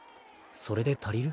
それで足りる？